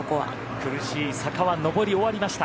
苦しい坂は上り終わりました。